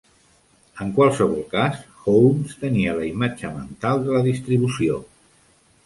En qualsevol cas, Holmes tenia la imatge mental de la distribució.